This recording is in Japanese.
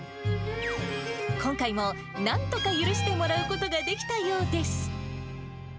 今回もなんとか許してもらうことができたようです。